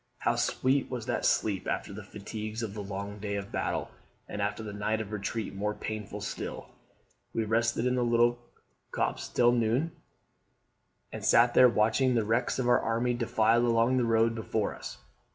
How sweet was that sleep after the fatigues of the long day of battle, and after the night of retreat more painful still! We rested in the little copse till noon, and sate there watching the wrecks of our army defile along the road before us.